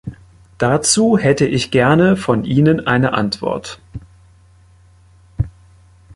Dazu hätte ich gerne von Ihnen eine Antwort.